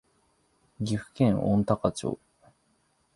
岐阜県御嵩町